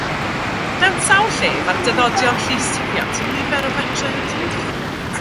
Mewn sawl lle mae'r dyddodion llystyfiant yn nifer o fetrau o drwch.